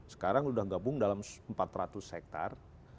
sekarang sudah gabung dalam empat ratus hektare